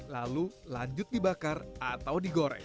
lalu lanjut dibakar atau digoreng